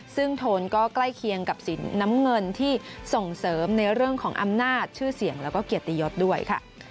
ซึ่งโทนก็ใกล้เคียงกับสินน้ำเงินที่ส่งเสริมในเรื่องของอำนาจชื่อเสียงแล้วก็เกียรติยศด้วยค่ะ